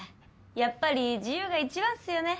やっぱり自由が一番っすよね！